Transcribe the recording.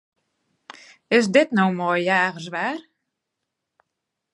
Is dit no moai jagerswaar?